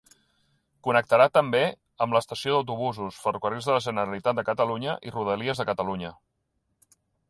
Connectarà també amb l'estació d'autobusos, Ferrocarrils de la Generalitat de Catalunya i Rodalies de Catalunya.